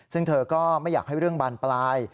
ซึ่งเธอก็ไม่อยากให้เรื่องบานปลาย